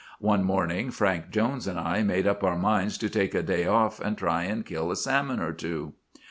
One morning Frank Jones and I made up our minds to take a day off, and try and kill a salmon or two.